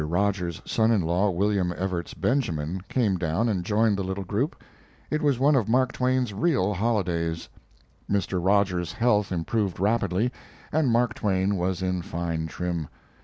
Rogers's son in law, William Evarts Benjamin, came down and joined the little group. It was one of Mark Twain's real holidays. Mr. Rogers's health improved rapidly, and Mark Twain was in fine trim.